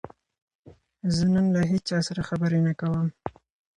زه نن له هیچا سره خبرې نه کوم.